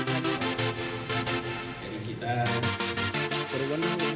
pertanyaan baik baik